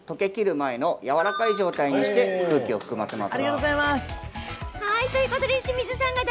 前のやわらかい状態にして、空気を含ませます。